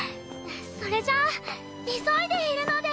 それじゃあ急いでいるので。